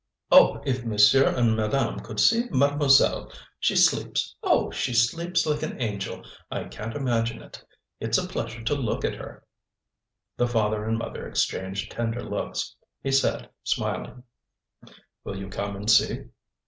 "Oh! if monsieur and madame could see mademoiselle! She sleeps; oh! she sleeps like an angel. One can't imagine it! It's a pleasure to look at her." The father and mother exchanged tender looks. He said, smiling: "Will you come and see?"